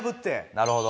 なるほど。